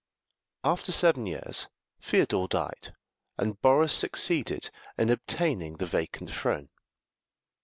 After seven years Feodore died, and Boris succeeded in obtaining the vacant throne.